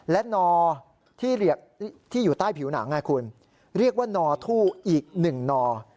และนอที่อยู่ใต้ผิวหนังคุณเรียกว่านอทู่อีก๑นอ